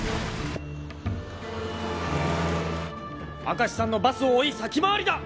明石さんのバスを追い先回りだ！